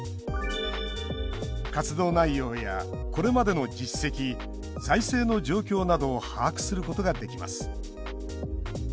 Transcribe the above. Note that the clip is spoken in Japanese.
活動内容やこれまでの実績財政の状況などを把握することができます。